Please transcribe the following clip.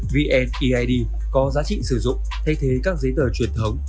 vneid có giá trị sử dụng thay thế các giấy tờ truyền thống